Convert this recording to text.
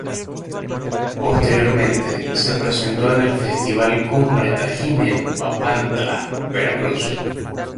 Posteriormente, se presentó en el Festival Cumbre Tajín en Papantla, Veracruz.